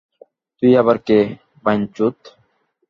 তুই আবার কে, বাঞ্চোত?